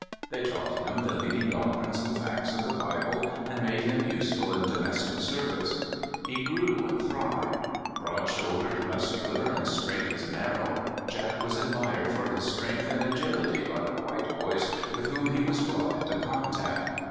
They taught him the lead ing doctrines and facts of the Bible, and made him useful in domestic service. He grew and thrived. Broad shouldered, muscular, and straight as an arrow, Jack was admired for his strength and agil ity by the white boys with whom he was brought into contact.